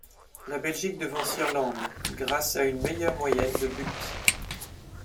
La Belgique devance l'Irlande grâce à une meilleure moyenne de buts.